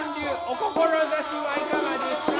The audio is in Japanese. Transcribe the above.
お志はいかがですか？